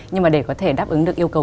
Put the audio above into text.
nhưng mà để có thể đáp ứng được yêu cầu